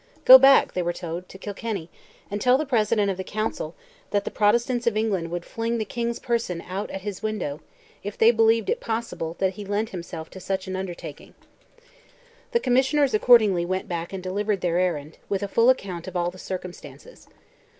"Go back," they were told, "to Kilkenny and tell the President of the Council, that the Protestants of England would fling the King's person out at his window, if they believed it possible that he lent himself to such an undertaking." The Commissioners accordingly went back and delivered their errand, with a full account of all the circumstances.